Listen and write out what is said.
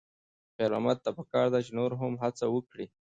خیر محمد ته پکار ده چې نور هم هڅه وکړي.